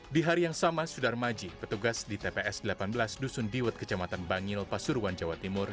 di hari yang sama sudar maji petugas di tps delapan belas dusun diwet kecamatan bangil pasuruan jawa timur